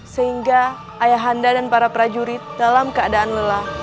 sehingga ayahanda dan para prajurit dalam keadaan lelah